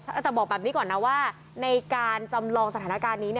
แต่บอกแบบนี้ก่อนนะว่าในการจำลองสถานการณ์นี้